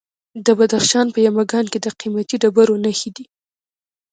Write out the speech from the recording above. د بدخشان په یمګان کې د قیمتي ډبرو نښې دي.